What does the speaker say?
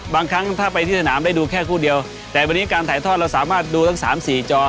บางครั้งถ้าไปที่สนามได้ดูแค่คู่เดียวแต่วันนี้การถ่ายทอดเราสามารถดูทั้งสามสี่จอ